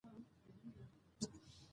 اداري حساب ورکونه د فساد مخه نیسي